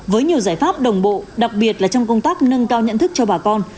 với nhiều giải pháp đồng bộ đặc biệt là trong công tác nâng cao nhận thức cho bà con